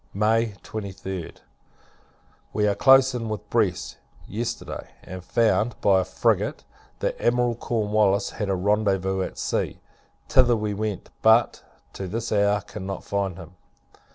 May 23d. We were close in with Brest, yesterday; and found, by a frigate, that Admiral Cornwallis had a rendezvous at sea. Thither we went; but, to this hour, cannot find him.